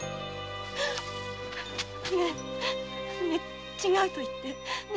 ねぇ違うと言って。